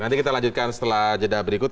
nanti kita lanjutkan setelah jeda berikut